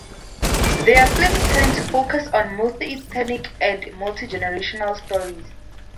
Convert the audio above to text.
Their films tend to focus on multiethnic and multigenerational stories.